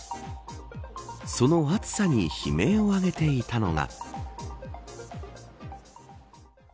その暑さに悲鳴を上げていたのが。